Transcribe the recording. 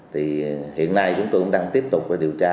thì hiện nay chúng tôi cũng đang tiếp tục điều tra